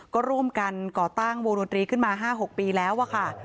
ก็ร่วมกันก่อตั้งวงดนตรีขึ้นมา๕๖ปีแล้วอะค่ะ